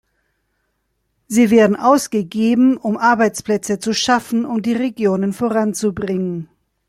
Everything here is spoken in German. Sie werden ausgegeben, um Arbeitsplätze zu schaffen, um die Regionen voranzubringen.